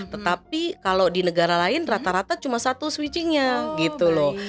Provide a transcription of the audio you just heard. tetapi kalau di negara lain rata rata cuma satu switchingnya gitu loh